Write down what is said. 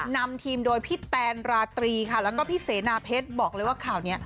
นำทีมโดยพี่แตนราตรีค่ะแล้วก็พี่เสนาเพชรบอกเลยว่าข่าวนี้